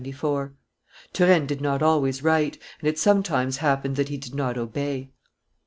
Turenne did not always write, and it sometimes happened that he did not obey.